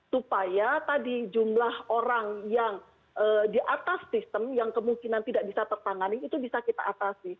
supaya tadi jumlah orang yang di atas sistem yang kemungkinan tidak bisa tertangani itu bisa kita atasi